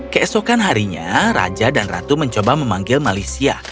keesokan harinya raja dan ratu mencoba memanggil malaysia